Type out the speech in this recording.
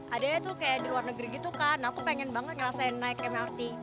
adanya tuh kayak di luar negeri gitu kan aku pengen banget ngerasain naik mrt